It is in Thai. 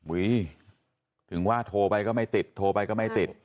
ถึงว่าโทรไปก็ไม่ติดโทรไปก็ไม่ติด